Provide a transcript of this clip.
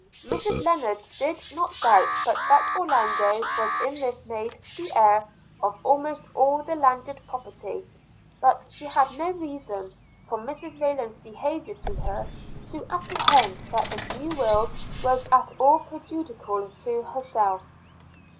Mrs Lennard did not doubt but that Orlando was in this made the heir of almost all the landed property; but she had no reason, from Mrs Rayland's behaviour to her, to apprehend that this new will was at all prejudicial to herself.